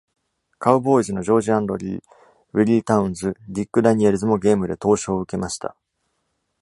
カウボーイズのジョージ・アンドリー、ウィリー・タウンズ、ディック・ダニエルズもゲームで凍傷を受けました。